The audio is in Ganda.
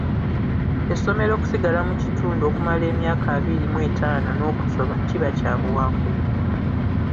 Essomero okusigala mu kitundu okumala emyaka abiri mu etaano n'okusoba, kiba kya buwanguzi.